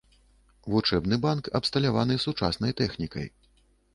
Вучэбны банк абсталяваны сучаснай тэхнікай.